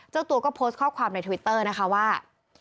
เจ้าตัวก็โพสต์ข้อความในทวิตเตอร์นะคะว่า